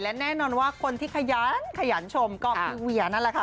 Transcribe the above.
และแน่นอนว่าคนที่ขยันขยันชมก็พี่เวียนั่นแหละค่ะ